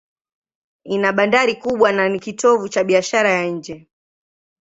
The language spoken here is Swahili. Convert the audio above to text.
Ina bandari kubwa na ni kitovu cha biashara ya nje.